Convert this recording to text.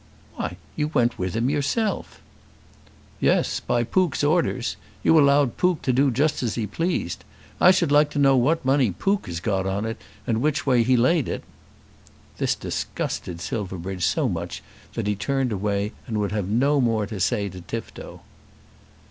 "Why, you went with him yourself." "Yes; by Pook's orders. You allowed Pook to do just as he pleased. I should like to know what money Pook has got on it, and which way he laid it." This disgusted Silverbridge so much that he turned away and would have no more to say to Tifto.